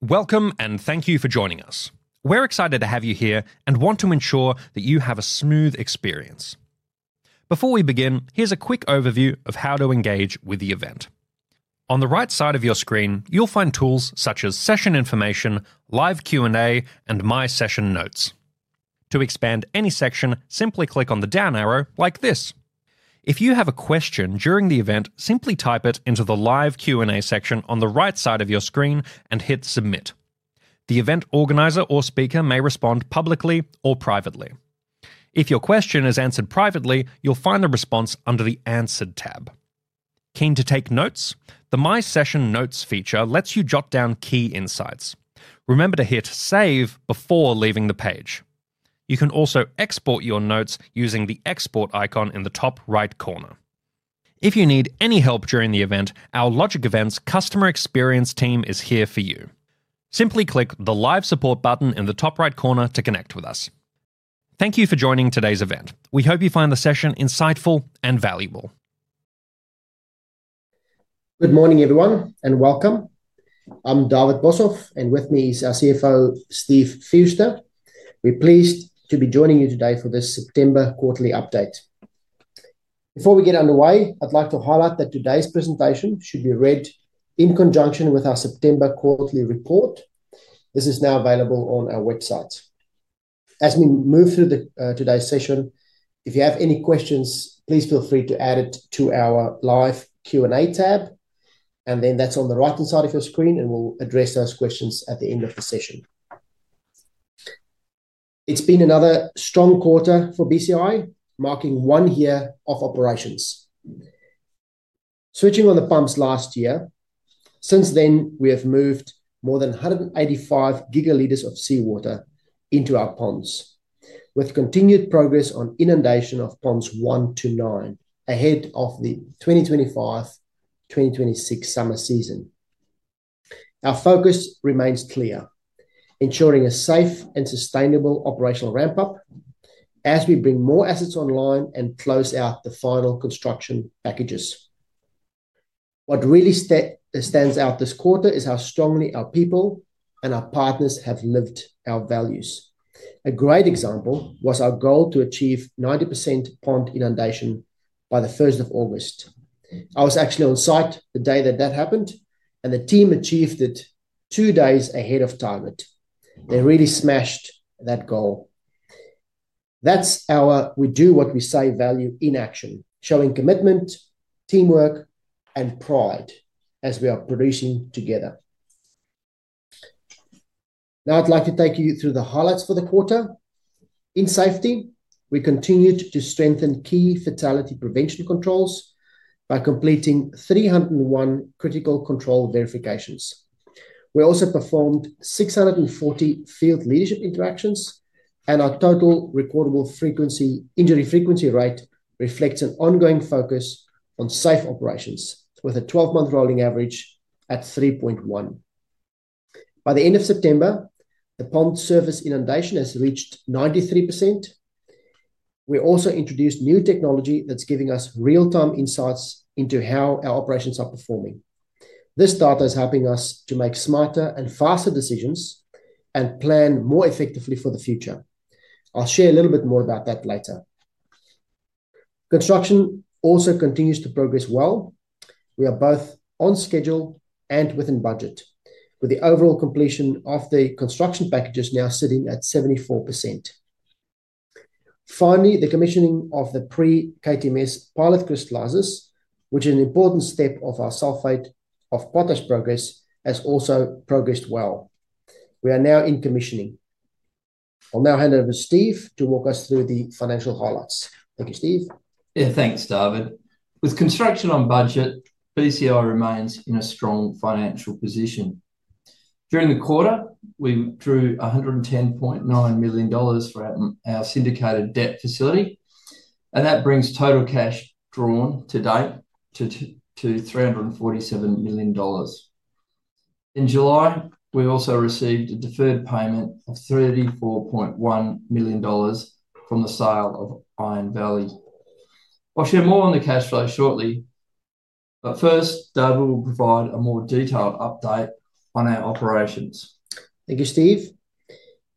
Welcome and thank you for joining us. We're excited to have you here and want to ensure that you have a smooth experience. Before we begin, here's a quick overview of how to engage with the event. On the right side of your screen, you'll find tools such as session information, live Q&A, and My Session Notes. To expand any section, simply click on the down arrow, like this. If you have a question during the event, simply type it into the live Q&A section on the right side of your screen and hit submit. The event organizer or speaker may respond publicly or privately. If your question is answered privately, you'll find a response under the Answered tab. Keen to take notes? The My Session Notes feature lets you jot down key insights. Remember to hit save before leaving the page. You can also export your notes using the export icon in the top right corner. If you need any help during the event, our Logic Events Customer Experience team is here for you. Simply click the Live Support button in the top right corner to connect with us. Thank you for joining today's event. We hope you find the session insightful and valuable. Good morning everyone and welcome. I'm David Boshoff and with me is our CFO, Steve Fewster. We're pleased to be joining you today for this September Quarterly Update. Before we get underway, I'd like to highlight that today's presentation should be read in conjunction with our September Quarterly Report. This is now available on our website. As we move through today's session, if you have any questions, please feel free to add it to our live Q&A tab, that's on the right-hand side of your screen, and we'll address those questions at the end of the session. It's been another strong quarter for BCI Minerals, marking one year of operations. Switching on the pumps last year, since then we have moved more than 185 gl of seawater into our ponds, with continued progress on inundation of ponds one to nine ahead of the 2025-2026 summer season. Our focus remains clear, ensuring a safe and sustainable operational ramp-up as we bring more assets online and close out the final construction packages. What really stands out this quarter is how strongly our people and our partners have lived our values. A great example was our goal to achieve 90% pond inundation by the 1st of August. I was actually on site the day that that happened, and the team achieved it two days ahead of target. They really smashed that goal. That's our 'We Do What We Say' value in action, showing commitment, teamwork, and pride as we are producing together. Now I'd like to take you through the highlights for the quarter. In safety, we continued to strengthen key fatality prevention controls by completing 301 critical control verifications. We also performed 640 field leadership interactions, and our total recordable injury frequency rate reflects an ongoing focus on safe operations, with a 12-month rolling average at 3.1. By the end of September, the pond service inundation has reached 93%. We also introduced new technology that's giving us real-time insights into how our operations are performing. This data is helping us to make smarter and faster decisions and plan more effectively for the future. I'll share a little bit more about that later. Construction also continues to progress well. We are both on schedule and within budget, with the overall completion of the construction packages now sitting at 74%. Finally, the commissioning of the pre-KTMS pilot crystallizers, which is an important step of our sulfate of potash progress, has also progressed well. We are now in commissioning. I'll now hand over to Steve to walk us through the financial highlights. Thank you, Steve. Yeah, thanks, David. With construction on budget, BCI remains in a strong financial position. During the quarter, we drew $110.9 million from our syndicated debt facility, and that brings total cash drawn to date to $347 million. In July, we also received a deferred payment of $34.1 million from the sale of Iron Valley. I'll share more on the cash flow shortly, but first, David will provide a more detailed update on our operations. Thank you, Steve.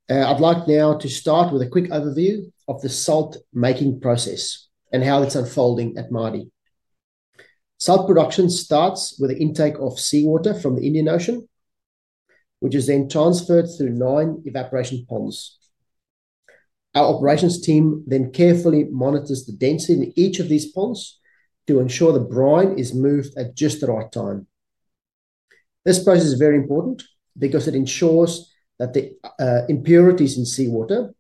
I'd like now to start with a quick overview of the salt-making process and how it's unfolding at Mardie. Salt production starts with the intake of seawater from the Indian Ocean, which is then transferred through nine evaporation ponds. Our operations team then carefully monitors the density in each of these ponds to ensure the brine is moved at just the right time. This process is very important because it ensures that the impurities in seawater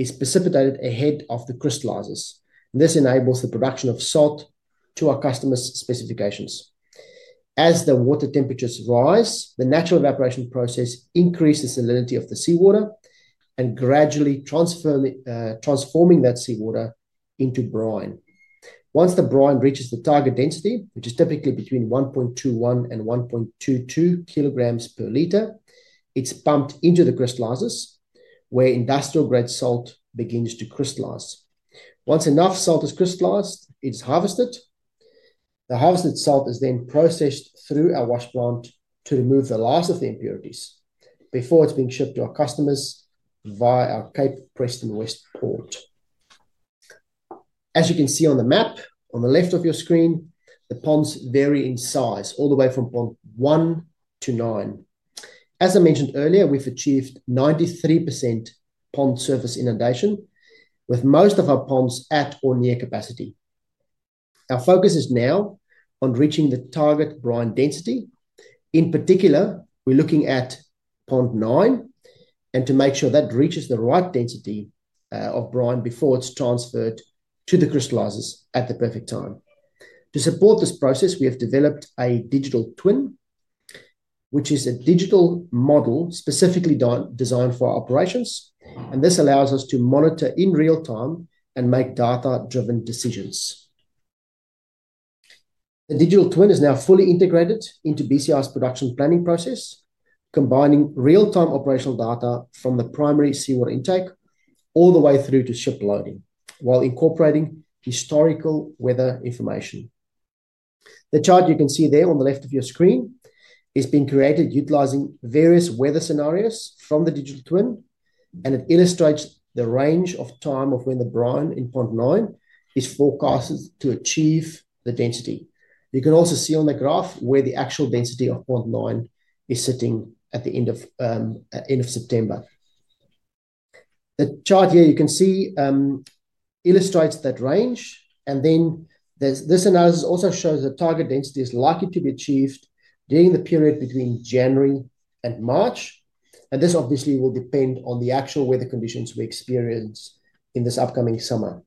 are precipitated ahead of the crystallizers, and this enables the production of salt to our customers' specifications. As the water temperatures rise, the natural evaporation process increases the salinity of the seawater and gradually transforms that seawater into brine. Once the brine reaches the target density, which is typically between 1.21 and 1.22 kg per l, it's pumped into the crystallizers, where industrial grade salt begins to crystallize. Once enough salt is crystallized, it is harvested. The harvested salt is then processed through our wash plant to remove the last of the impurities before it's being shipped to our customers via our Cape Preston West port. As you can see on the map on the left of your screen, the ponds vary in size all the way from pond one to nine. As I mentioned earlier, we've achieved 93% pond service inundation, with most of our ponds at or near capacity. Our focus is now on reaching the target brine density. In particular, we're looking at pond nine and to make sure that reaches the right density of brine before it's transferred to the crystallizers at the perfect time. To support this process, we have developed a digital twin, which is a digital model specifically designed for our operations, and this allows us to monitor in real time and make data-driven decisions. The digital twin is now fully integrated into BCI Minerals' production planning process, combining real-time operational data from the primary seawater intake all the way through to ship loading while incorporating historical weather information. The chart you can see there on the left of your screen has been created utilizing various weather scenarios from the digital twin, and it illustrates the range of time of when the brine in pond nine is forecasted to achieve the density. You can also see on the graph where the actual density of pond nine is sitting at the end of September. The chart here you can see illustrates that range, and then this analysis also shows the target density is likely to be achieved during the period between January and March, and this obviously will depend on the actual weather conditions we experience in this upcoming summer.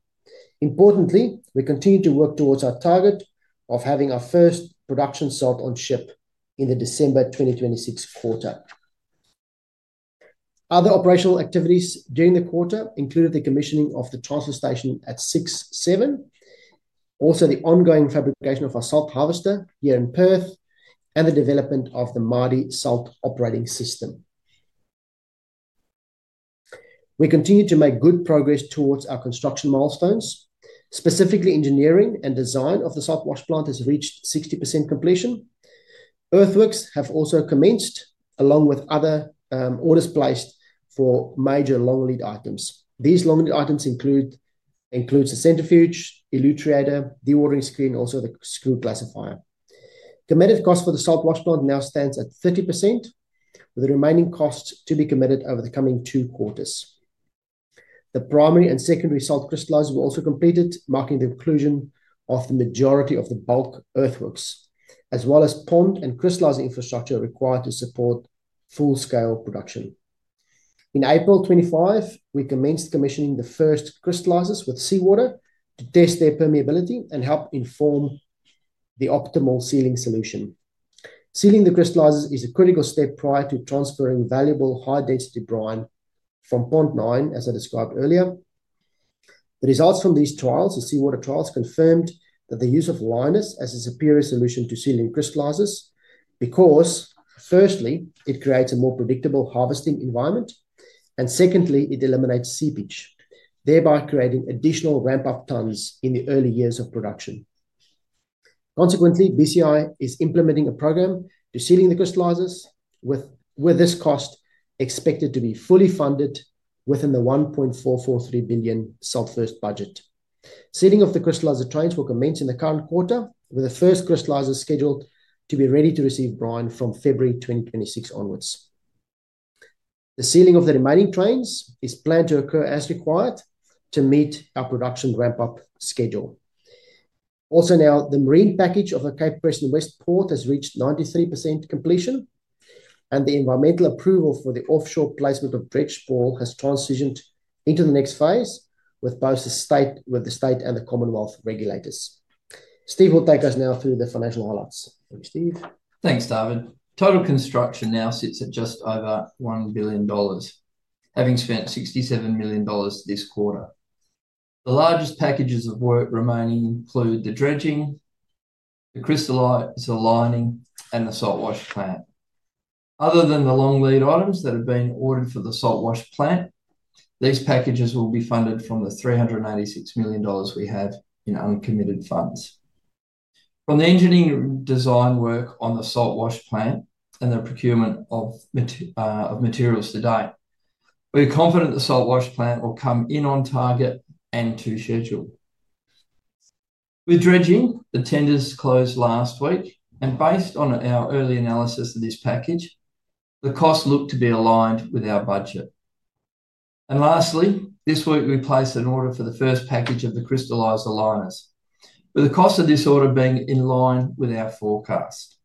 Importantly, we continue to work towards our target of having our first production salt on ship in the December 2026 quarter. Other operational activities during the quarter included the commissioning of the transfer station at 6/7, also the ongoing fabrication of our salt harvester here in Perth, and the development of the Mardie Salt Operating System. We continue to make good progress towards our construction milestones. Specifically, engineering and design of the salt wash plant has reached 60% completion. Earthworks have also commenced, along with other orders placed for major long-lead items. These long-lead items include the centrifuge, the luterator, the ordering screen, and also the screw classifier. Committed costs for the salt wash plant now stand at 30%, with the remaining costs to be committed over the coming two quarters. The primary and secondary salt crystallizers were also completed, marking the conclusion of the majority of the bulk earthworks, as well as pond and crystallizer infrastructure required to support full-scale production. In April 2025, we commenced commissioning the first crystallizers with seawater to test their permeability and help inform the optimal sealing solution. Sealing the crystallizers is a critical step prior to transferring valuable high-density brine from pond nine, as I described earlier. The results from these seawater trials confirmed that the use of liners is a superior solution to sealing crystallizers because, firstly, it creates a more predictable harvesting environment, and secondly, it eliminates seepage, thereby creating additional ramp-up tons in the early years of production. Consequently, BCI Minerals is implementing a program to seal the crystallizers, with this cost expected to be fully funded within the $1.443 billion SaltFirst budget. Sealing of the crystallizer trains will commence in the current quarter, with the first crystallizer scheduled to be ready to receive brine from February 2026 onwards. The sealing of the remaining trains is planned to occur as required to meet our production ramp-up schedule. Also, now the marine package of the Cape Preston West port has reached 93% completion, and the environmental approval for the offshore placement of bridge bore has transitioned into the next phase with both the state and the Commonwealth regulators. Steve will take us now through the financial highlights. Thank you, Steve. Thanks, David. Total construction now sits at just over $1 billion, having spent $67 million this quarter. The largest packages of work remaining include the dredging, the crystallizer, the lining, and the salt wash plant. Other than the long-lead items that have been ordered for the salt wash plant, these packages will be funded from the $386 million we have in uncommitted funds. From the engineering design work on the salt wash plant and the procurement of materials to date, we are confident the salt wash plant will come in on target and to schedule. With dredging, the tenders closed last week, and based on our early analysis of this package, the costs look to be aligned with our budget. Lastly, this week we placed an order for the first package of the crystallizer liners, with the cost of this order being in line with our forecast.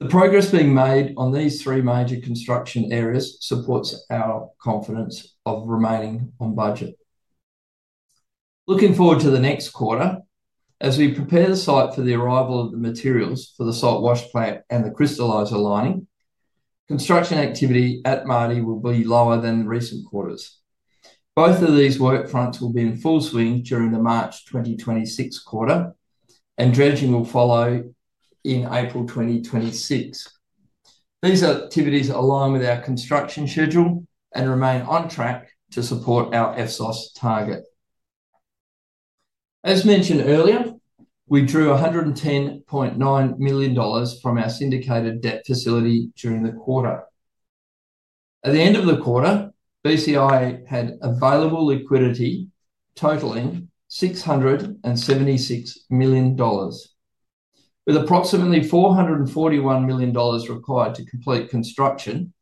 The progress being made on these three major construction areas supports our confidence of remaining on budget. Looking forward to the next quarter, as we prepare the site for the arrival of the materials for the salt wash plant and the crystallizer lining, construction activity at Mardie will be lower than recent quarters. Both of these work fronts will be in full swing during the March 2026 quarter, and dredging will follow in April 2026. These activities align with our construction schedule and remain on track to support our FSOS target. As mentioned earlier, we drew $110.9 million from our syndicated debt facility during the quarter. At the end of the quarter, BCI had available liquidity totaling $676 million. With approximately $441 million required to complete construction,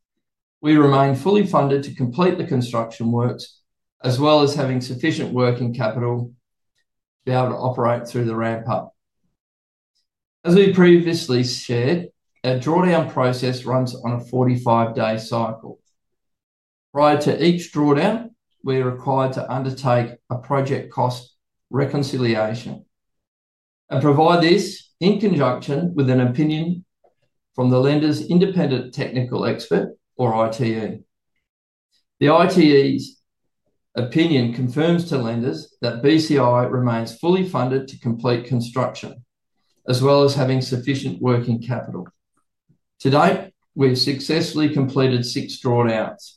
we remain fully funded to complete the construction works, as well as having sufficient working capital to be able to operate through the ramp-up. As we previously shared, a drawdown process runs on a 45-day cycle. Prior to each drawdown, we are required to undertake a project cost reconciliation and provide this in conjunction with an opinion from the lender's independent technical expert, or ITE. The ITE's opinion confirms to lenders that BCI remains fully funded to complete construction, as well as having sufficient working capital. To date, we have successfully completed six drawdowns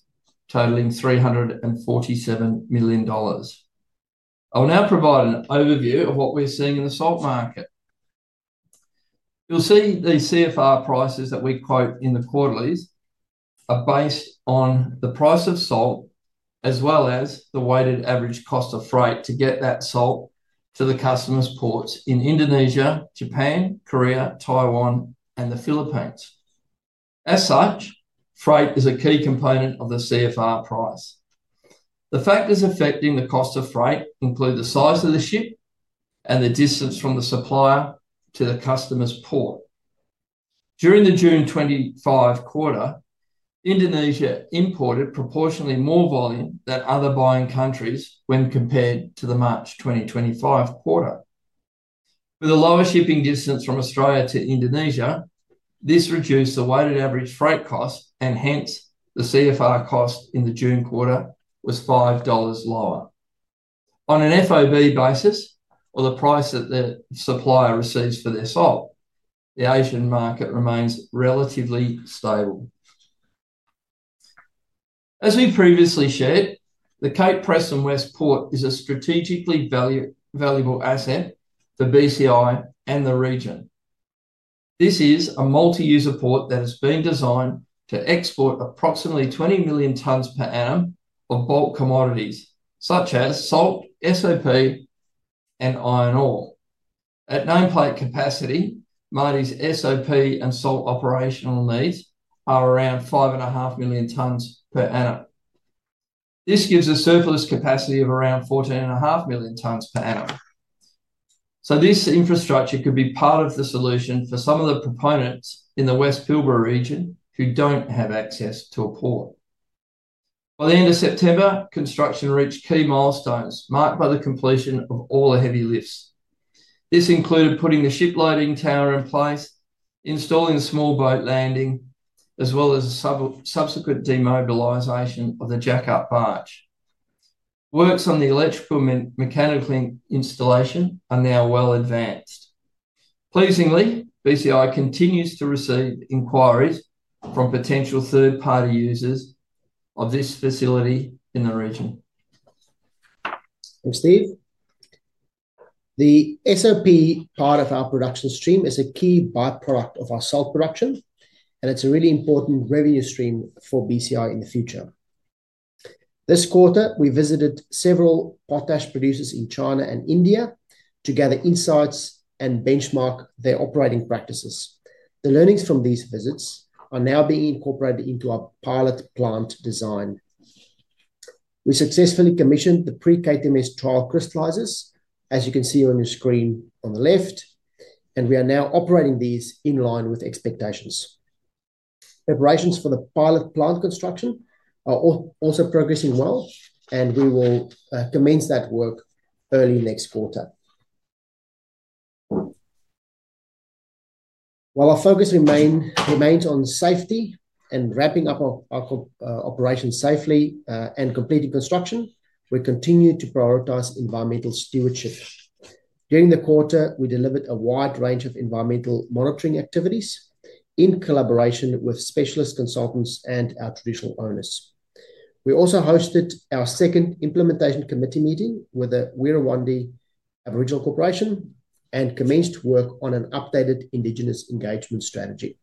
totaling $347 million. I'll now provide an overview of what we're seeing in the salt market. You'll see the CFR prices that we quote in the quarterlies are based on the price of salt, as well as the weighted average cost of freight to get that salt to the customers' ports in Indonesia, Japan, Korea, Taiwan, and the Philippines. As such, freight is a key component of the CFR price. The factors affecting the cost of freight include the size of the ship and the distance from the supplier to the customer's port. During the June 2025 quarter, Indonesia imported proportionately more volume than other buying countries when compared to the March 2025 quarter. With a lower shipping distance from Australia to Indonesia, this reduced the weighted average freight cost, and hence the CFR cost in the June quarter was $5 lower. On an FOB basis, or the price that the supplier receives for their salt, the Asian market remains relatively stable. As we previously shared, the Cape Preston West port is a strategically valuable asset for BCI Minerals and the region. This is a multi-user port that has been designed to export approximately 20 million tons per annum of bulk commodities such as salt, SOP, and iron ore. At known plate capacity, Mardie's SOP and salt operational needs are around 5.5 million tons per annum. This gives a surplus capacity of around 14.5 million tons per annum. This infrastructure could be part of the solution for some of the proponents in the West Pilbara region who don't have access to a port. By the end of September, construction reached key milestones marked by the completion of all the heavy lifts. This included putting the ship loading tower in place, installing small boat landing, as well as a subsequent demobilization of the jack-up barge. Works on the electrical mechanical installation are now well advanced. Pleasingly, BCI Minerals continues to receive inquiries from potential third-party users of this facility in the region. Thanks, Steve. The SOP part of our production stream is a key byproduct of our salt production, and it's a really important revenue stream for BCI in the future. This quarter, we visited several potash producers in China and India to gather insights and benchmark their operating practices. The learnings from these visits are now being incorporated into our pilot plant design. We successfully commissioned the pre-KTMS trial crystallizers, as you can see on your screen on the left, and we are now operating these in line with expectations. Preparations for the pilot plant construction are also progressing well, and we will commence that work early next quarter. While our focus remains on safety and wrapping up our operations safely and completing construction, we continue to prioritize environmental stewardship. During the quarter, we delivered a wide range of environmental monitoring activities in collaboration with specialist consultants and our traditional owners. We also hosted our second implementation committee meeting with the Wirrawandi Aboriginal Corporation and commenced work on an updated Indigenous engagement strategy.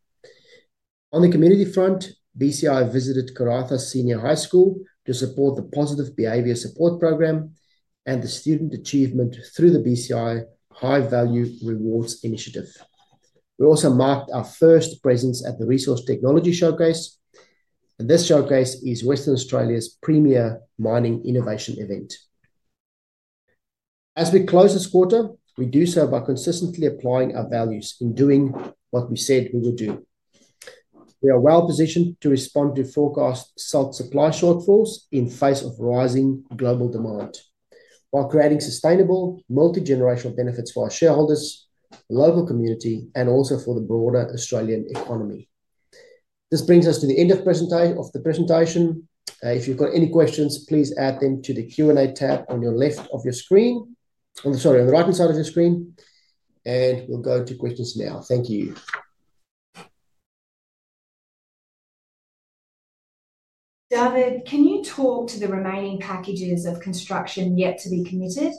On the community front, BCI visited Karratha Senior High School to support the Positive Behaviour Support Program and the student achievement through the BCI High Value Rewards Initiative. We also marked our first presence at the Resource Technology Showcase, and this showcase is Western Australia's premier mining innovation event. As we close this quarter, we do so by consistently applying our values in doing what we said we would do. We are well positioned to respond to forecast salt supply shortfalls in face of rising global demand while creating sustainable multigenerational benefits for our shareholders, local community, and also for the broader Australian economy. This brings us to the end of the presentation. If you've got any questions, please add them to the Q&A tab on your left of your screen, on the, sorry, on the right-hand side of your screen, and we'll go to questions now. Thank you. David, can you talk to the remaining packages of construction yet to be committed?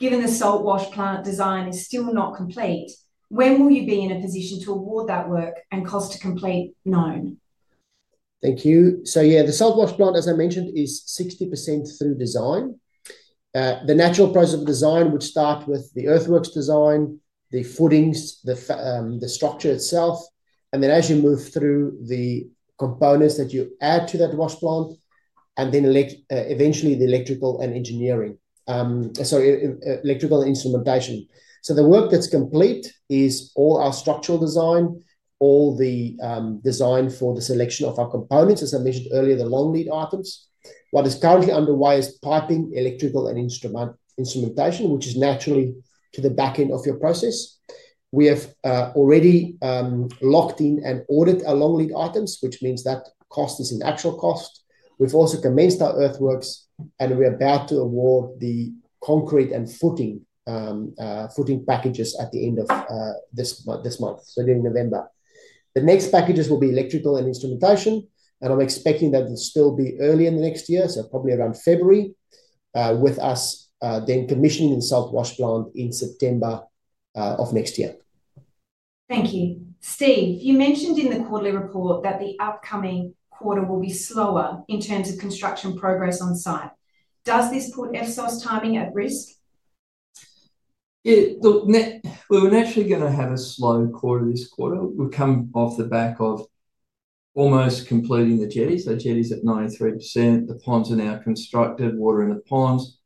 Given the salt wash plant design is still not complete, when will you be in a position to award that work and cost to complete known? Thank you. So yeah, the salt wash plant, as I mentioned, is 60% through design. The natural process of the design would start with the earthworks design, the footings, the structure itself, and then as you move through the components that you add to that wash plant, and then eventually the electrical and instrumentation. The work that's complete is all our structural design, all the design for the selection of our components, as I mentioned earlier, the long-lead items. What is currently underway is piping, electrical, and instrumentation, which is naturally to the back end of your process. We have already locked in and ordered our long-lead items, which means that cost is a natural cost. We've also commenced our earthworks, and we are about to award the concrete and footing packages at the end of this month, during November. The next packages will be electrical and instrumentation, and I'm expecting that will still be early in the next year, probably around February, with us then commissioning the salt wash plant in September of next year. Thank you. Steve, you mentioned in the quarterly report that the upcoming quarter will be slower in terms of construction progress on site. Does this put FSOS timing at risk? Yeah, we're naturally going to have a slow quarter this quarter. We've come off the back of almost completing the jetties. Our jetties are at 93%. The ponds are now constructed, water in the ponds,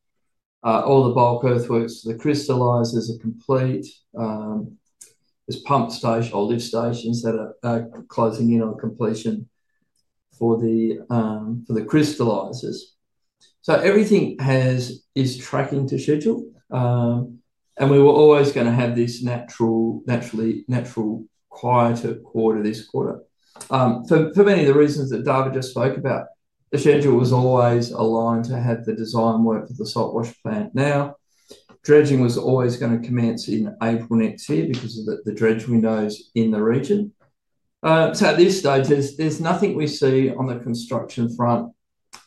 all the bulk earthworks, the crystallizers are complete. There's pump station, or lift stations that are closing in on completion for the crystallizers. Everything is tracking to schedule, and we were always going to have this naturally quieter quarter this quarter. For many of the reasons that David just spoke about, the schedule was always aligned to have the design work for the salt wash plant. Now, dredging was always going to commence in April next year because of the dredge windows in the region. At this stage, there's nothing we see on the construction front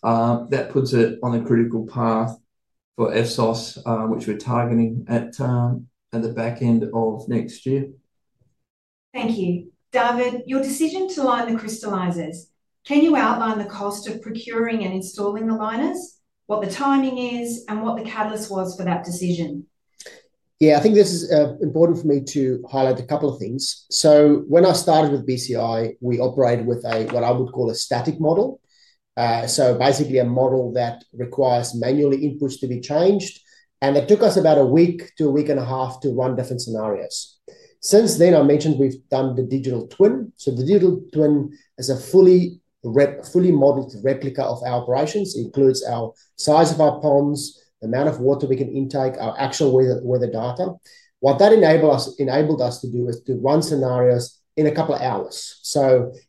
that puts it on a critical path for FSOS, which we're targeting at the back end of next year. Thank you. David, your decision to line the crystallizers, can you outline the cost of procuring and installing the liners, what the timing is, and what the catalyst was for that decision? Yeah, I think this is important for me to highlight a couple of things. When I started with BCI Minerals, we operated with what I would call a static model, basically a model that requires manual inputs to be changed, and it took us about a week to a week and a half to run different scenarios. Since then, I mentioned we've done the digital twin. The digital twin is a fully modeled replica of our operations. It includes the size of our ponds, the amount of water we can intake, our actual weather data. What that enabled us to do is to run scenarios in a couple of hours.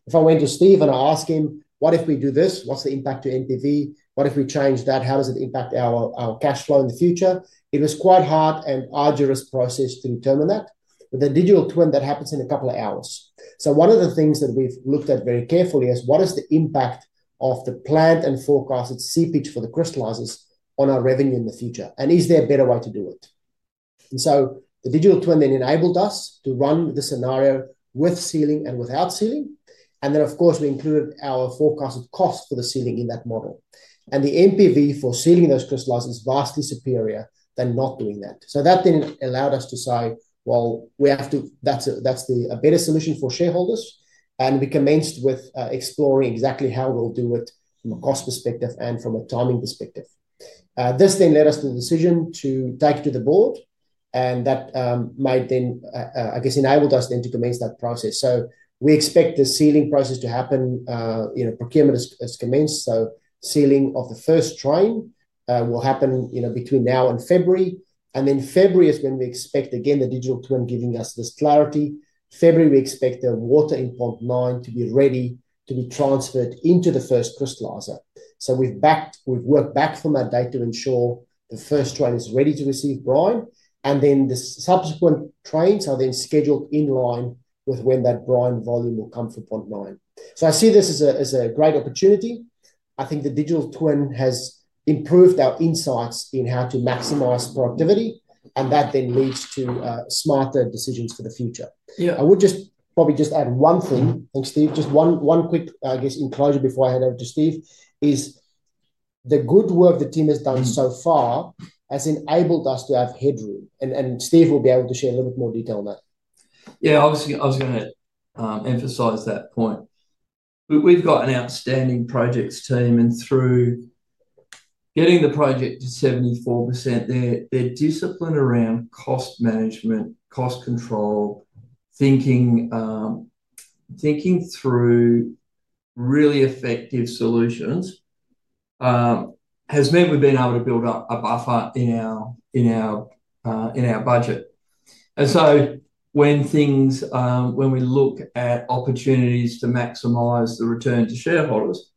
If I went to Steve and I asked him, "What if we do this? What's the impact to NPV? What if we change that? How does it impact our cash flow in the future?" it was quite a hard and arduous process to determine that. With the digital twin, that happens in a couple of hours. One of the things that we've looked at very carefully is what is the impact of the planned and forecasted seepage for the crystallizers on our revenue in the future, and is there a better way to do it? The digital twin then enabled us to run the scenario with sealing and without sealing. Of course, we included our forecasted cost for the sealing in that model, and the NPV for sealing those crystallizers is vastly superior than not doing that. That then allowed us to say, "That's a better solution for shareholders." We commenced with exploring exactly how we'll do it from a cost perspective and from a timing perspective. This then led us to the decision to take it to the board, and that enabled us to commence that process. We expect the sealing process to happen; procurement has commenced. Sealing of the first train will happen between now and February. February is when we expect, again, the digital twin giving us this clarity. February, we expect the water in pond nine to be ready to be transferred into the first crystallizer. We've worked back from our date to ensure the first train is ready to receive brine, and the subsequent trains are then scheduled in line with when that brine volume will come from pond nine. I see this as a great opportunity. I think the digital twin has improved our insights in how to maximize productivity, and that leads to smarter decisions for the future. I would just probably just add one thing. Thanks, Steve. Just one quick, I guess, in closure before I hand over to Steve is the good work the team has done so far has enabled us to have headroom. Steve will be able to share a little bit more detail on that. Yeah, I was going to emphasize that point. We've got an outstanding projects team, and through getting the project to 74%, their discipline around cost management, cost control, thinking through really effective solutions has meant we've been able to build up a buffer in our budget. When we look at opportunities to maximize the return to shareholders,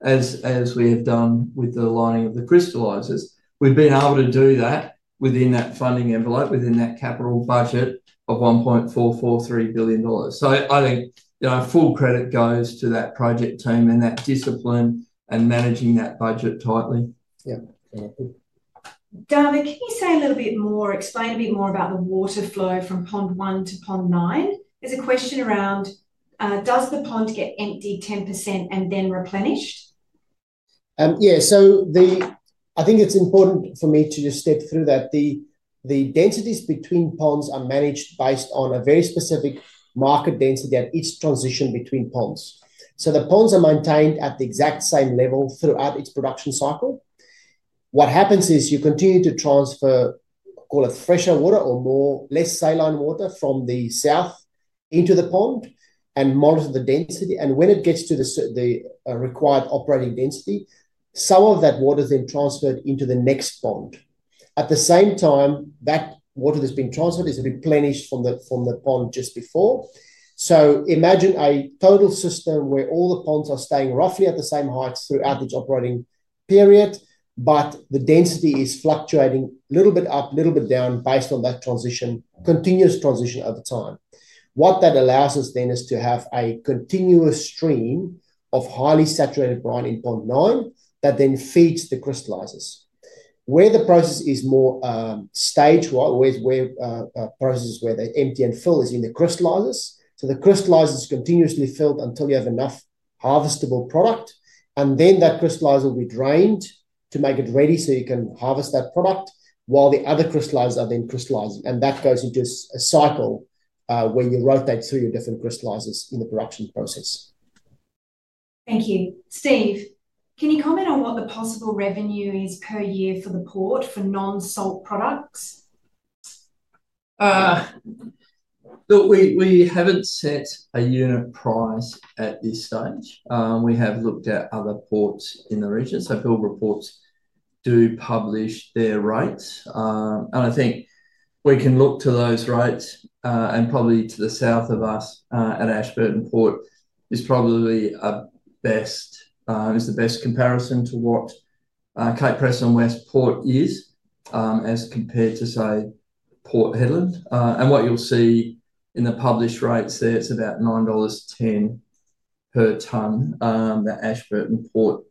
as we have done with the lining of the crystallizers, we've been able to do that within that funding envelope, within that capital budget of $1.443 billion. I think, you know, full credit goes to that project team and that discipline in managing that budget tightly. Yeah, exactly. David, can you say a little bit more, explain a bit more about the water flow from pond one to pond nine? There's a question around, does the pond get emptied 10% and then replenished? Yeah, I think it's important for me to just step through that. The densities between ponds are managed based on a very specific market density at each transition between ponds. So the ponds are maintained at the exact same level throughout its production cycle. What happens is you continue to transfer, call it fresher water or more less saline water from the south into the pond and monitor the density. When it gets to the required operating density, some of that water is then transferred into the next pond. At the same time, that water that's been transferred is replenished from the pond just before. Imagine a total system where all the ponds are staying roughly at the same height throughout its operating period, but the density is fluctuating a little bit up, a little bit down based on that continuous transition over time. What that allows us then is to have a continuous stream of highly saturated brine in pond nine that then feeds the crystallizers. Where the process is more staged or where processes where they empty and fill is in the crystallizers. The crystallizers are continuously filled until you have enough harvestable product, and then that crystallizer will be drained to make it ready so you can harvest that product while the other crystallizers are then crystallizing. That goes into a cycle where you rotate through your different crystallizers in the production process. Thank you. Steve, can you comment on what the possible revenue is per year for the port for non-salt products? We haven't set a unit price at this stage. We have looked at other ports in the region. Build Reports do publish their rates, and I think we can look to those rates and probably to the south of us at Ashburton Port, which is probably the best comparison to what Cape Preston West Port is as compared to, say, Port Hedland. What you'll see in the published rates there, it's about $9.10 per ton that Ashburton Port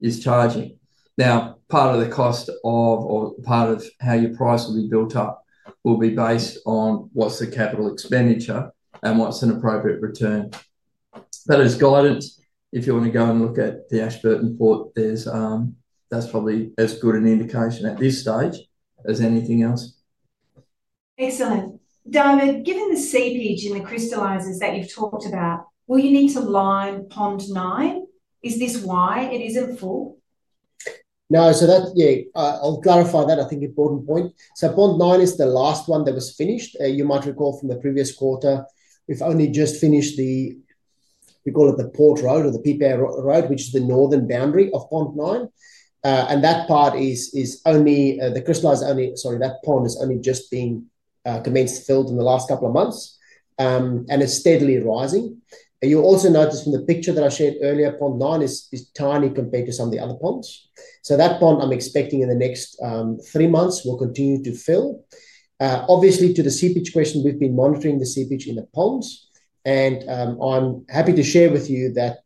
is charging. Part of the cost, or part of how your price will be built up, will be based on what's the capital expenditure and what's an appropriate return. As guidance, if you want to go and look at the Ashburton Port, that's probably as good an indication at this stage as anything else. Excellent. David, given the seepage in the crystallizers that you've talked about, will you need to line pond nine? Is this why it isn't full? No, so that's, yeah, I'll clarify that. I think an important point. Pond nine is the last one that was finished. You might recall from the previous quarter, we've only just finished the, we call it the port road or the PPA road, which is the northern boundary of pond nine. That part is only the crystallizer, sorry, that pond has only just been commenced to fill in the last couple of months, and it's steadily rising. You'll also notice from the picture that I shared earlier, pond nine is tiny compared to some of the other ponds. That pond, I'm expecting in the next three months, will continue to fill. Obviously, to the seepage question, we've been monitoring the seepage in the ponds, and I'm happy to share with you that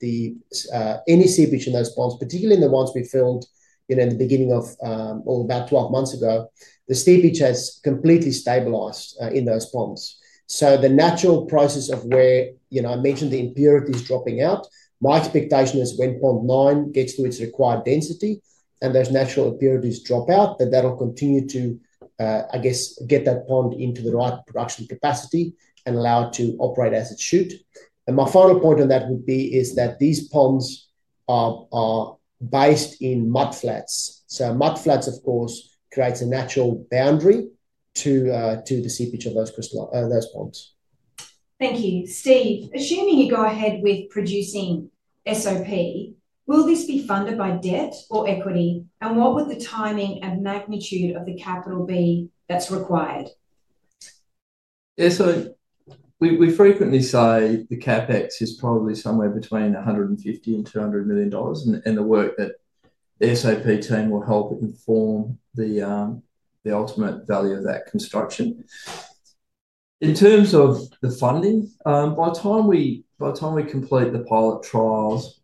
any seepage in those ponds, particularly in the ones we filled in the beginning of or about 12 months ago, the seepage has completely stabilized in those ponds. The natural process of where, you know, I mentioned the impurities dropping out, my expectation is when pond nine gets to its required density and those natural impurities drop out, that'll continue to, I guess, get that pond into the right production capacity and allow it to operate as it should. My final point on that would be that these ponds are based in mudflats. Mudflats, of course, create a natural boundary to the seepage of those ponds. Thank you. Steve, assuming you go ahead with producing SOP, will this be funded by debt or equity, and what would the timing and magnitude of the capital be that's required? Yeah, we frequently say the CapEx is probably somewhere between $150 million and $200 million, and the work that the SOP team will help inform the ultimate value of that construction. In terms of the funding, by the time we complete the pilot trials,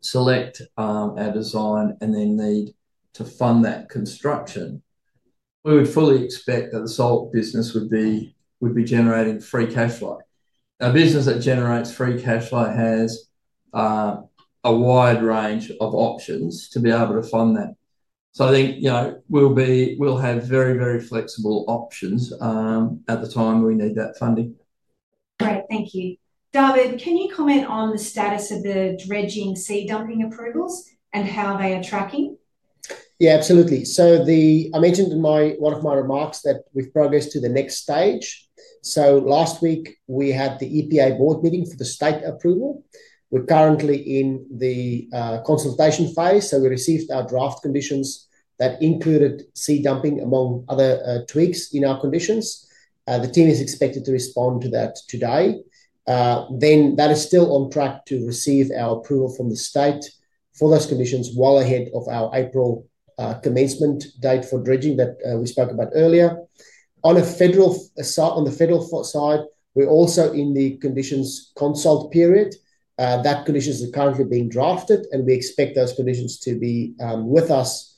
select our design, and then need to fund that construction, we would fully expect that the salt business would be generating free cash flow. A business that generates free cash flow has a wide range of options to be able to fund that. I think we'll have very, very flexible options at the time we need that funding. Great, thank you. David, can you comment on the status of the dredging sea dumping approvals and how they are tracking? Yeah, absolutely. I mentioned in one of my remarks that we've progressed to the next stage. Last week, we had the EPA board meeting for the state approval. We're currently in the consultation phase, so we received our draft conditions that included sea dumping, among other tweaks in our conditions. The team is expected to respond to that today. That is still on track to receive our approval from the state for those conditions well ahead of our April commencement date for dredging that we spoke about earlier. On the federal side, we're also in the conditions consult period. Those conditions are currently being drafted, and we expect those conditions to be with us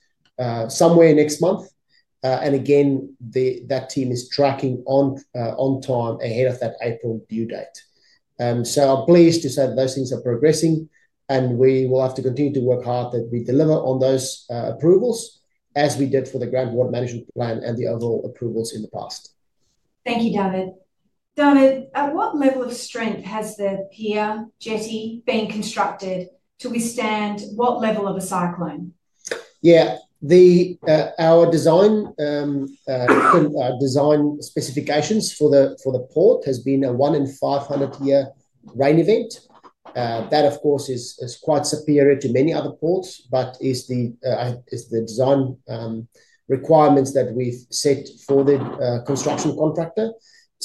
somewhere next month. That team is tracking on time ahead of that April due date. I'm pleased to say that those things are progressing, and we will have to continue to work hard that we deliver on those approvals as we did for the Grant Water Management Plan and the overall approvals in the past. Thank you, David. David, at what level of strength has the pier jetty been constructed to withstand what level of a cyclone? Yeah, our design specifications for the port have been a one in 500-year rain event. That, of course, is quite superior to many other ports, but it's the design requirements that we've set for the construction contractor.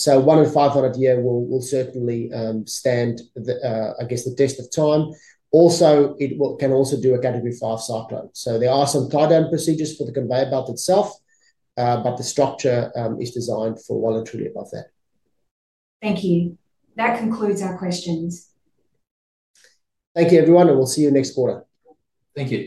One in 500-year will certainly stand, I guess, the test of time. It can also do a Category 5 cyclone. There are some tie-down procedures for the conveyor belt itself, but the structure is designed for well and truly above that. Thank you. That concludes our questions. Thank you, everyone, and we'll see you next quarter. Thank you.